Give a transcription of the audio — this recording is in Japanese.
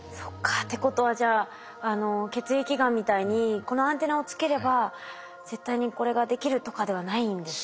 っていうことはじゃあ血液がんみたいにこのアンテナをつければ絶対にこれができるとかではないんですね。